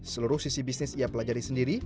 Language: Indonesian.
seluruh sisi bisnis ia pelajari sendiri